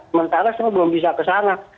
sementara saya belum bisa kesana